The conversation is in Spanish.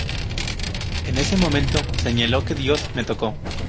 En ese momento, señaló que "Dios me tocó".